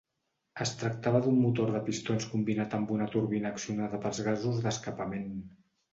Es tractava d’un motor de pistons combinat amb una turbina accionada pels gasos d’escapament.